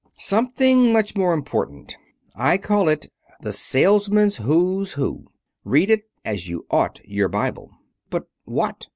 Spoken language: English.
"Something much more important. I call it 'The Salesman's Who's Who.' Read it as you ought your Bible." "But what?"